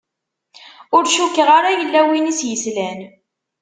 Ur cukkeɣ ara yella win i s-yeslan.